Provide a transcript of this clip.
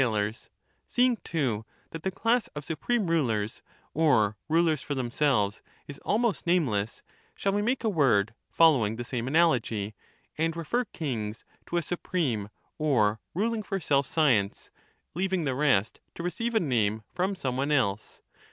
— The latter is the ftmction of the king ; seeing, too, that the class of supreme rulers, or rulers for themselves, is almost nameless— shall we make a word following the same analogy, and refer kings to a supreme or ruling for self science, leaving the rest to receive a name from some one else?